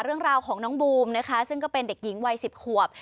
เรื่องราวของน้องบูมนะคะซึ่งก็เป็นเด็กหญิงวัย๑๐ขวบ